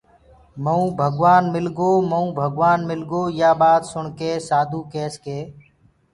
مئونٚ ڀگوآن مِلگو مئونٚ ڀگوآن مِلگو يآ ٻآت سُڻڪي سآڌوٚ ڪيس ڪي